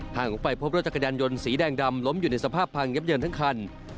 ออกไปพบรถจักรยานยนต์สีแดงดำล้มอยู่ในสภาพพังยับเยินทั้งคัน